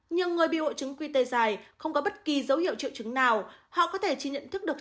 nhưng người bị hộ trứng quy tê dài không có bất kỳ dấu hiệu triệu chứng nào họ có thể chỉ nhận thức được